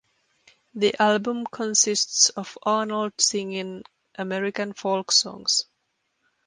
The album consists of Arnold singing American folk songs.